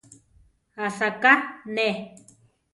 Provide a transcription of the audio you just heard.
Asaká neʼé.